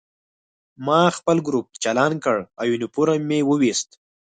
ما خپل ګروپ چالان کړ او یونیفورم مې وویست